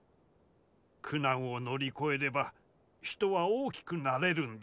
苦難を乗り越えれば人は大きくなれるんだ。